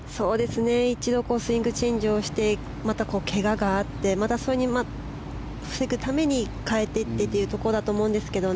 一度スイングチェンジをしてまたけががあってまた、それを防ぐために変えていってというところだと思うんですが。